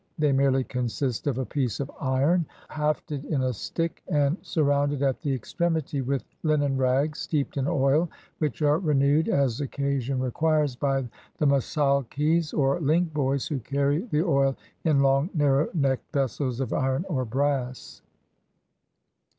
They merely consist of a piece of iron hafted in a stick, and surrounded at the extremity with linen rags steeped in oil, which are renewed, as occasion requires, by the masdchis, or link boys, who carry the oD in long narrow necked vessels of iron or brass.